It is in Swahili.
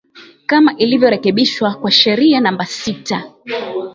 kama ilivyo rekebishwa kwa sheria namba Sita